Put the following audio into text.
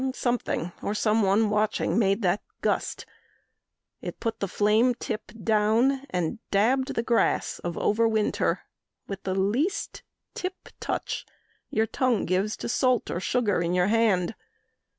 Something or someone watching made that gust. It put the flame tip down and dabbed the grass Of over winter with the least tip touch Your tongue gives salt or sugar in your hand.